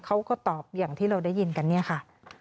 เขาก็ตอบอย่างที่เราได้ยินกันเนี่ยค่ะ